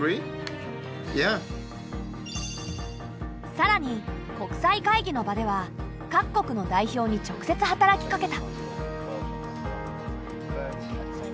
さらに国際会議の場では各国の代表に直接働きかけた。